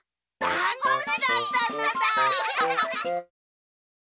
だんごむしだったのだ！